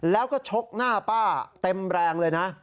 แล้วก็ชกหน้าป้าเต็มแรงเลยนะ